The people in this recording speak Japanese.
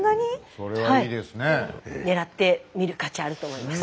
狙ってみる価値あると思います。